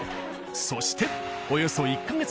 そしておよそ１ヵ月